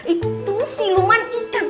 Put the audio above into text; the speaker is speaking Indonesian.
itu siluman ikan